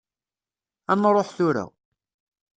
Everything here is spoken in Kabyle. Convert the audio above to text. Ad nruḥ tura.